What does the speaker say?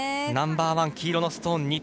ナンバーワン黄色のストーン